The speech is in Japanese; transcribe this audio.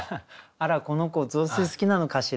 「あらこの子雑炊好きなのかしら？」